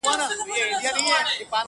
بې پروا یم له رویباره، بې خبره له نګاره.!